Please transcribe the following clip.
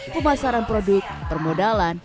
pemasaran produk permodalan